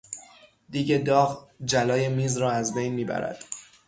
دیگ داغ جلای میز را از بین میبرد.